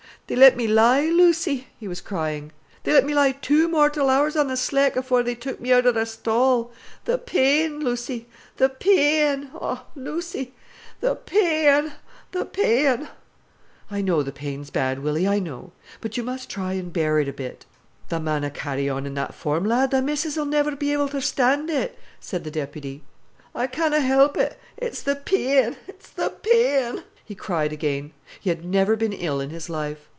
"They let me lie, Lucy," he was crying, "they let me lie two mortal hours on th' sleck afore they took me outer th' stall. Th' peen, Lucy, th' peen; oh, Lucy, th' peen, th' peen!" "I know th' pain's bad, Willy, I know. But you must try an' bear it a bit." "Tha munna carry on in that form, lad, thy missis'll niver be able ter stan' it," said the deputy. "I canna 'elp it, it's th' peen, it's th' peen," he cried again. He had never been ill in his life.